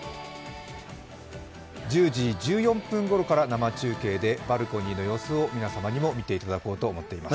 １０時１４分ごろから生中継でバルコニーの様子を皆様にも見ていただこうと思っております。